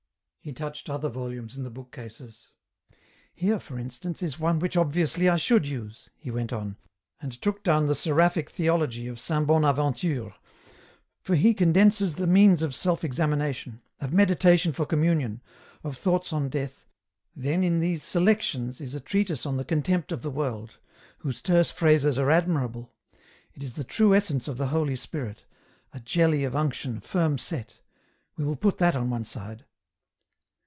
He touched other volumes in the book cases. " Here, for instance, is one which obviously I should use," he went on, as he took down the " Seraphic Theology " of Saint Bonaventure, '* for he condenses the means of self examination, of meditation for communion, of thoughts on death, then in these ' Selections ' is a treatise on the Contempt of the World, whose terse phrases are admirable ; it is the true essence of the Holy Spirit, a jelly of unction firm set — we will put that on one side.